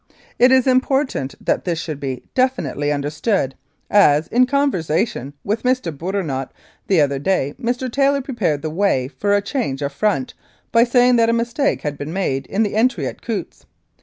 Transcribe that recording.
It is important that this should be definitely under stood, as, in conversation with Mr. Bourinot the other day, Mr. Taylor prepared the way for a change of front by saying that a mistake had been made in the entry at Coutts.